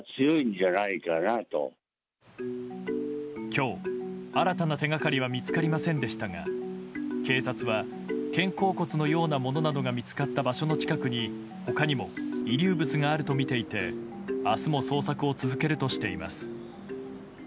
今日、新たな手掛かりは見つかりませんでしたが警察は肩甲骨のようなものなどが見つかった場所の近くに他にも遺留物があるとみていて明日も捜索を続けるとしています。